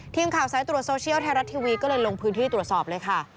ทีมข่าวสายตรวจโซเชียลไทยรัฐทีวีก็เลยลงพื้นที่ตรวจสอบเลยค่ะ